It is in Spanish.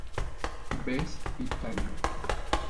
Best y Taylor.